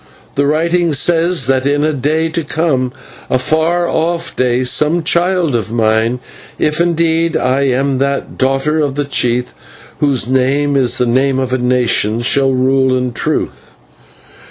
The writing says that in a day to come, a far off day, some child of mine, if indeed I am that 'daughter of a chief whose name is the name of a nation,' shall rule in truth.